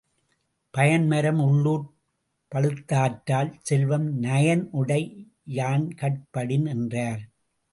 பயன்மரம் உள்ளுர்ப் பழுத்தற்றால் செல்வம் நயனுடை யான்கட் படின் என்றார்.